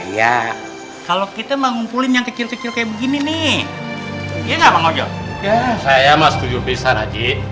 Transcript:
ya saya sama setuju bisa nak ji